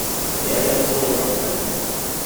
The area is no longer fenced.